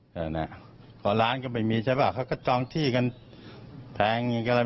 เพราะร้านก็ไม่มีใช่ป่ะเขาก็จองที่กันแพงอย่างงี้กันเลย